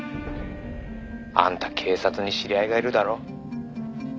「あんた警察に知り合いがいるだろ？」